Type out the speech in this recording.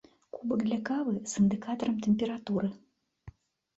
Кубак для кавы з індыкатарам тэмпературы.